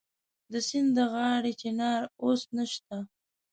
د سیند د غاړې چنار اوس نشته